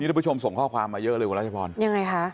ทุกผู้ชมส่งข้อความมาเยอะเลยคุณรัชพรยังไงคะ